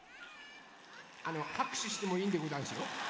あのはくしゅしてもいいんでござんすよ。